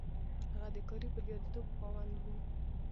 هغه د کاري برياليتوب خاوند و.